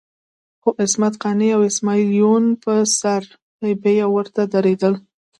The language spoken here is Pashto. خو عصمت قانع او اسماعیل یون په سر په بیه ورته ودرېدل.